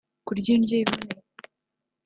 kurya indyo iboneye